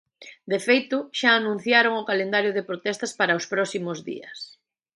De feito, xa anunciaron o calendario de protestas para os próximos días.